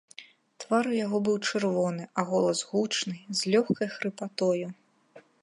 Твар у яго быў чырвоны, а голас гучны, з лёгкай хрыпатою.